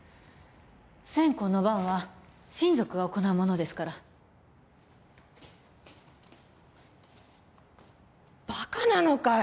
線香の番は親族が行うものですからバカなのかい？